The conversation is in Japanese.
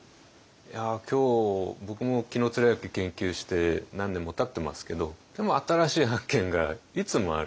今日僕も紀貫之研究して何年もたってますけどでも新しい発見がいつもあるし。